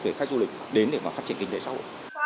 cái khai du lịch đến để mà phát triển kinh tế xã hội